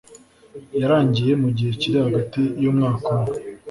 Yarangiye mu gihe kiri hagati y umwka umwe